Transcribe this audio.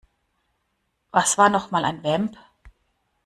Was war noch mal ein Vamp?